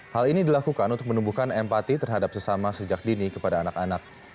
hal ini dilakukan untuk menumbuhkan empati terhadap sesama sejak dini kepada anak anak